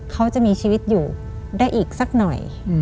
เขาจะมีชีวิตอยู่ได้อีกสักหน่อย